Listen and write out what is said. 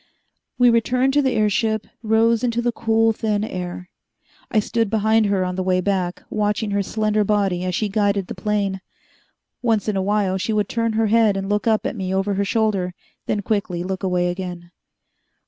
We returned to the airship, raid rose into the cool, thin air. I stood behind her on the way back, watching her slender body as she guided the plane. Once in a while she would turn her head and look up at me over her shoulder, then quickly look away again.